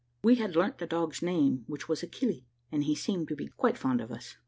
We had learnt the dog's name, which was Achille, and he seemed to be quite fond of us.